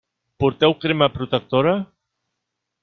Porteu crema protectora?